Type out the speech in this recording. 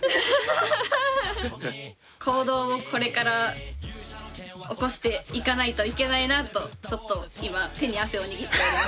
行動をこれから起こしていかないといけないなとちょっと今手に汗を握っております。